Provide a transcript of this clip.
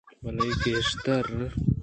بلئے گیشتر